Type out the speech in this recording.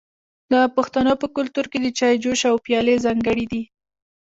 د پښتنو په کلتور کې د چای جوش او پیالې ځانګړي دي.